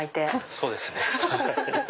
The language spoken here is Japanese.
そうですね。